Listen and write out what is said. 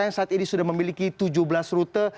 yang saat ini sudah memiliki tujuh belas rute